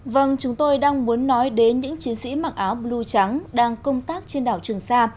vâng chúng tôi đang muốn nói đến những chiến sĩ mặc áo blue trắng đang công tác trên đảo trường sa